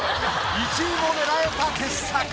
１位も狙えた傑作！